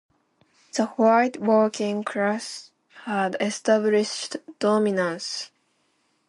The white working class had established dominance.